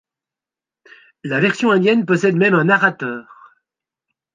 La version indienne possède même un narrateur.